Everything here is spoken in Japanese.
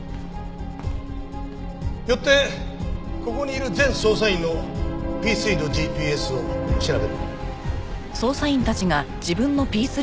よってここにいる全捜査員のＰⅢのＧＰＳを調べる。